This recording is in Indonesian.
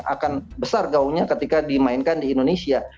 akan besar gaunya ketika dimainkan di indonesia